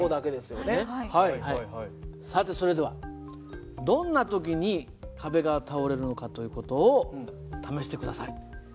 さてそれではどんな時に壁が倒れるのかという事を試して下さい。